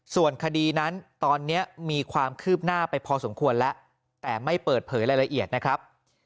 ส่วนคดีนั้นตอนนี้มีความคืบหน้าไปพอสมควรแล้วแต่ไม่เปิดเผยรายละเอียดนะครับ